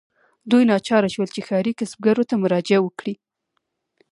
دوی ناچاره شول چې ښاري کسبګرو ته مراجعه وکړي.